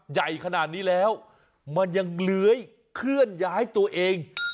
ใหญ่ขนาดนี้แล้วมันยังเลื้อยเคลื่อนย้ายตัวเอง